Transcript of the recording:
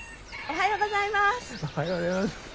おはようございます。